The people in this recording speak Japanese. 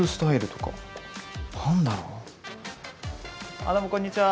あっどうもこんにちは。